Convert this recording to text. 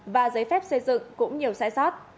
và giấy phép xây dựng cũng nhiều sai sót